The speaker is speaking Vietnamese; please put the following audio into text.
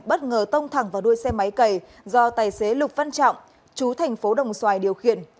bất ngờ tông thẳng vào đuôi xe máy cầy do tài xế lục văn trọng chú thành phố đồng xoài điều khiển